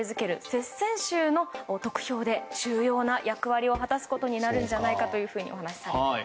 接戦州の得票で重要な役割を果たすことになるんじゃないかとお話しされています。